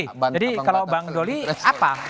jadi kalau bang doli apa